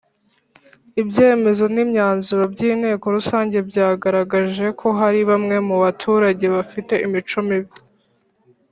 ibyemezo n imyanzuro by Inteko Rusange byagaragaje ko hari bamwe mu baturage bafite imico mibi